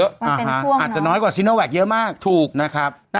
ว่าเป็นช่วงเนอะถูกนะครับอาจจะน้อยกว่าซินโอแหวกเยอะมาก